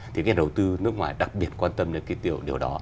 thì các nhà đầu tư nước ngoài đặc biệt quan tâm đến điều đó